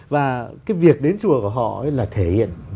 và cái việc đến chùa của họ là thể hiện